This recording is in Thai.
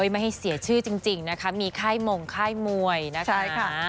ไม่ให้เสียชื่อจริงนะคะมีค่ายมงค่ายมวยนะคะ